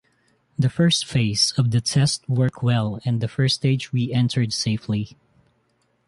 The first phase of the test worked well and the first stage re-entered safely.